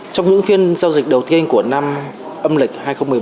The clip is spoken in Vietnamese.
trong những phiên giao dịch đầu tiên của năm âm lịch hai nghìn một mươi bốn